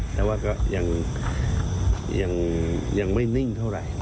แต่ว่าก็ยังไม่นิ่งเท่าไหร่